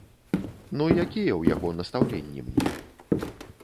Ну якія ў яго настаўленні мне?